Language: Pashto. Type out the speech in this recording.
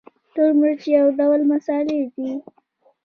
تور مرچ یو ډول مسالې دي